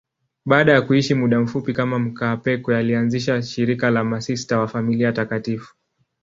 Baada ya kuishi muda mfupi kama mkaapweke, alianzisha shirika la Masista wa Familia Takatifu.